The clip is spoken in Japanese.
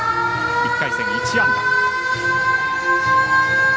１回戦は１安打。